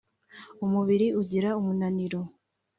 umubiri ugira umunaniro